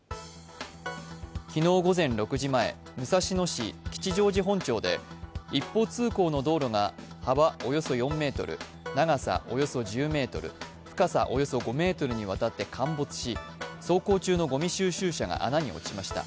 昨日午前６時前、武蔵野市吉祥寺本町で一方通行の道路が幅およそ４ｍ、長さおよそ１０ｍ、深さおよそ５ｍにわたって陥没し、走行中のごみ収集車が穴に落ちました。